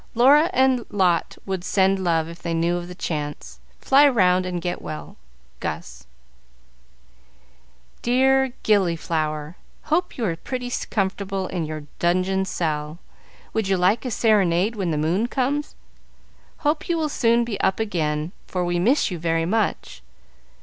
Laura and Lot would send love if they knew of the chance. Fly round and get well. "Gus" "Dear Gilliflower, Hope you are pretty comfortable in your 'dungeon cell.' Would you like a serenade when the moon comes? Hope you will soon be up again, for we miss you very much.